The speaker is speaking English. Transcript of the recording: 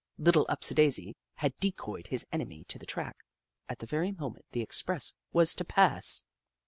Little Upsidaisi had decoyed his enemy to the track, at the very moment the express was to pass